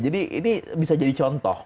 jadi ini bisa jadi contoh